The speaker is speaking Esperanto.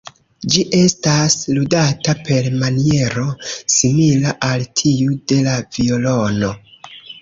Ĝi estas ludata per maniero simila al tiu de la violono.